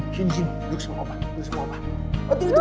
sini sini duduk sama opa